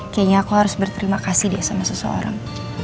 kayaknya aku harus berterima kasih dia sama seseorang